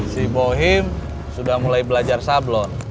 si bohim sudah mulai belajar sablon